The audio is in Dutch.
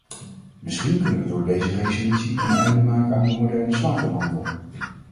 Misschien kunnen we door deze resolutie een einde maken aan de moderne slavenhandel.